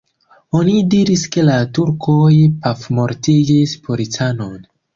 Oni diris, ke la turkoj pafmortigis policanon.